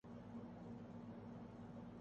ہمیں تو پیچھے رہ جانے کا راز ڈھونڈنا پڑ رہا ہے۔